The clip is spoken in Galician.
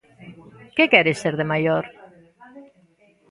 Que queres ser de maior?